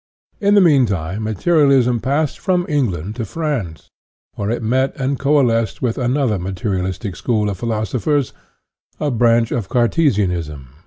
In the meantime materialism passed from Eng land to France, where it met and coalesced with another materialistic school of philosophers, a branch of Cartesianism.